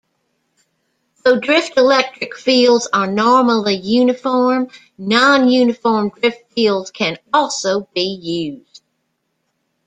Though drift electric fields are normally uniform, non-uniform drift fields can also be used.